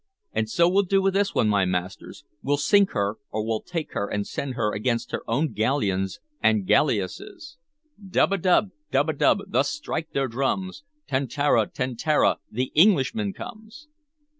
And so we'll do with this one, my masters! We'll sink her, or we'll take her and send her against her own galleons and galleasses! 'Dub a dub, dub a dub, thus strike their drums, Tantara, tantara, the Englishman comes!'"